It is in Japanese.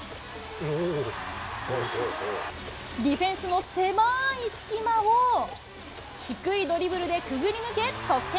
ディフェンスの狭ーい隙間を、低いドリブルでくぐり抜け、得点。